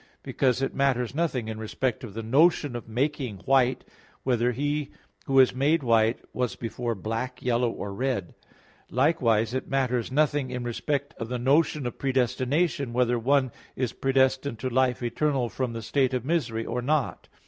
_ Because it matters nothing, in respect of the notion of making white, whether he who is made white was before black, yellow or red. Likewise it matters nothing in respect of the notion of predestination whether one is predestined to life eternal from the state of misery or not.